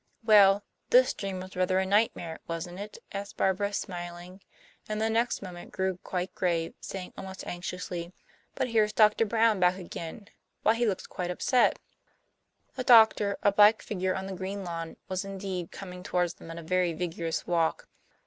"Well, this dream was rather a nightmare, wasn't it?" asked Barbara, smiling; and the next moment grew quite grave, saying almost anxiously: "But here's Doctor Brown back again. Why, he looks quite upset." The doctor, a black figure on the green lawn, was, indeed, coming toward them at a very vigorous walk.